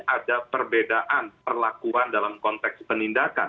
ada perbedaan perlakuan dalam konteks penindakan